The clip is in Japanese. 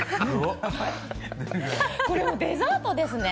これ、もうデザートですね。